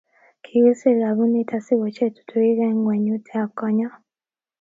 Kikiser kampunit asikocher tutuik eng ngwenyut ab konyo